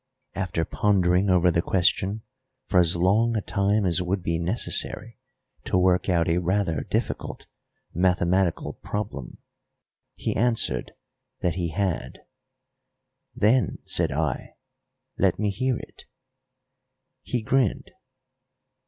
After pondering over the question for as long a time as would be necessary to work out a rather difficult mathematical problem, he answered that he had. "Then," said I, "let me hear it." He grinned.